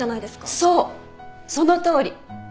そうそのとおり。